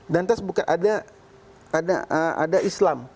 dan terus bukan ada islam